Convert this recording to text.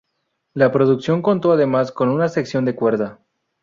La producción contó además con una sección de cuerda.